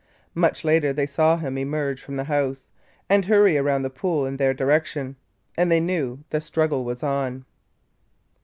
Much later they saw him emerge from the house and hurry around the pool in their direction – and they knew the struggle was on!